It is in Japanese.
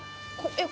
えっ！？